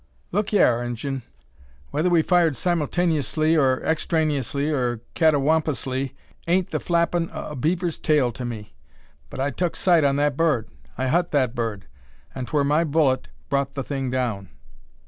"Look hyar, Injun! whether we fired symultainyously, or extraneously, or cattawampously, ain't the flappin' o' a beaver's tail to me; but I tuk sight on that bird; I hut that bird; and 'twar my bullet brought the thing down."